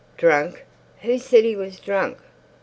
"Drunk! Who said he was drunk?"